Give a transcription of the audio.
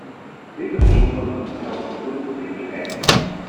These official tournaments are held exclusively in Japan.